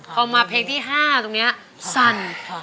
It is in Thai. พอมาเพลงที่๕ตรงนี้สั่น